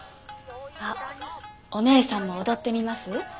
あっお姉さんも踊ってみます？